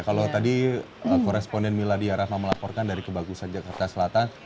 kalau tadi koresponden miladia rahma melaporkan dari kebagusan jakarta selatan